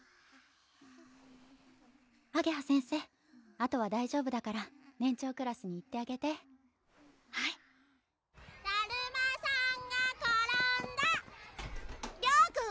あとは大丈夫だから年長クラスに行ってあげてはいだるまさんがころんだりょうくん